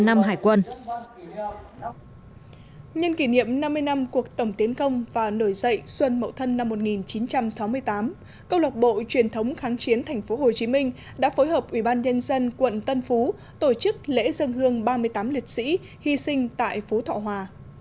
nhân kỷ niệm năm mươi năm cuộc tổng tiến công và nổi dậy xuân mậu thân năm một nghìn chín trăm sáu mươi tám câu lọc bộ truyền thống kháng chiến tp hcm đã phối hợp ubnd quận tân phú tổ chức lễ dân hương ba mươi tám liệt sĩ hy sinh tại phú thọ hòa